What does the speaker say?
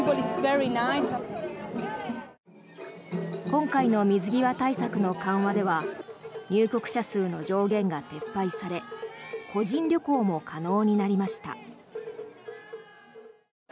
今回の水際対策の緩和では入国者数の上限が撤廃され個人旅行も可能になりました。